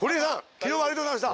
昨日はありがとうございました。